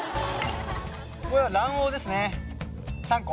これは卵黄ですね３個。